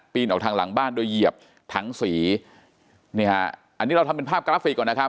ออกทางหลังบ้านโดยเหยียบถังสีนี่ฮะอันนี้เราทำเป็นภาพกราฟิกก่อนนะครับ